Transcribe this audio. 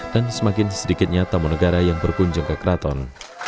dan semakin sedikitnya tamu negara yang berkunjung ke keraton